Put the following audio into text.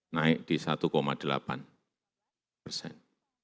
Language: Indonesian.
naik di satu delapan persen